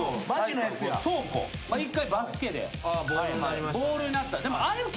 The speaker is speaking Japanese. １回バスケでボールになった。